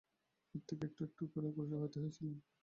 প্রত্যেককে একটু একটু করিয়া অগ্রসর হইতে হইয়াছিল।